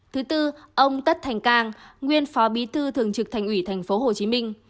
thứ tư ông tất thành cang nguyên phó bí thư thường trực thành ủy tp hcm